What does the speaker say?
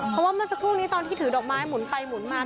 เพราะว่าเมื่อสักครู่นี้ตอนที่ถือดอกไม้หมุนไปหมุนมา